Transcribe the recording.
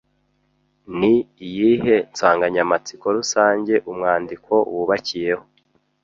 Ni iyihe nsanganyamatsiko rusange umwandiko wubakiyeho